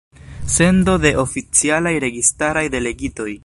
Sendo de oficialaj registaraj delegitoj.